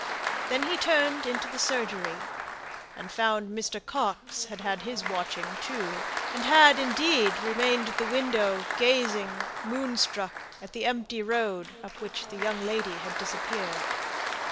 Then he turned into the surgery, and found Mr. Coxe had had his watching too, and had, indeed, remained at the window gazing, moonstruck, at the empty road, up which the young lady had disappeared.